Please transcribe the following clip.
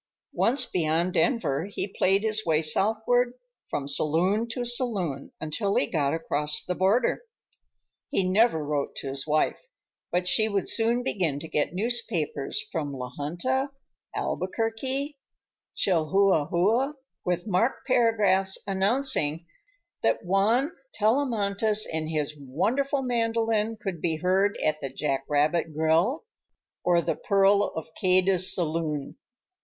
Once beyond Denver, he played his way southward from saloon to saloon until he got across the border. He never wrote to his wife; but she would soon begin to get newspapers from La Junta, Albuquerque, Chihuahua, with marked paragraphs announcing that Juan Tellamantez and his wonderful mandolin could be heard at the Jack Rabbit Grill, or the Pearl of Cadiz Saloon.